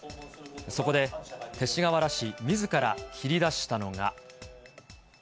そこで、勅使河原氏みずから切り出したのが。